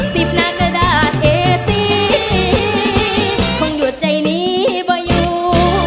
สิบหน้ากระดาษเอสีคงหยุดใจนี้บ่อยู่